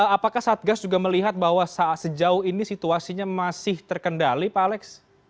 apakah satgas juga melihat bahwa sejauh ini situasinya masih terkendali pak alex